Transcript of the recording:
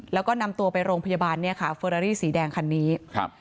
แล้วก็นำตัวไปโรงพยาบาลเนี่ยค่ะเฟอรารี่สีแดงคันนี้ครับ